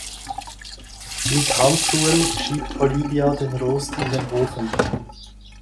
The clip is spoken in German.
Mit Handschuhen schiebt Olivia den Rost in den Ofen.